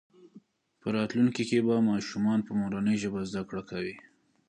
په راتلونکي کې به ماشومان په مورنۍ ژبه زده کړه کوي.